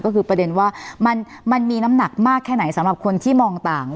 ก็คือประเด็นว่ามันมีน้ำหนักมากแค่ไหนสำหรับคนที่มองต่าง